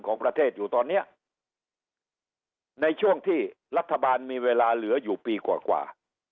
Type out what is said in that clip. ของประเทศอยู่ตอนเนี้ยในช่วงที่รัฐบาลมีเวลาเหลืออยู่ปีกว่า